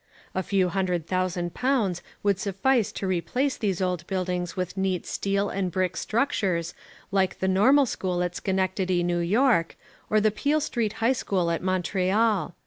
A few hundred thousand pounds would suffice to replace these old buildings with neat steel and brick structures like the normal school at Schenectady, N.Y., or the Peel Street High School at Montreal.